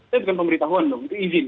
saya bukan pemberitahuan dong itu izin